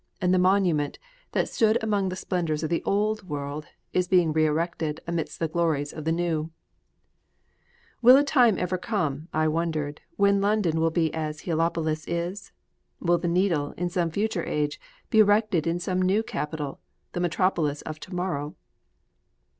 And the monument, that stood among the splendors of the old world, is being re erected amidst the glories of the new! Will a time ever come, I wondered, when London will be as Heliopolis is? Will the Needle, in some future age, be erected in some new capital in the metropolis of To morrow?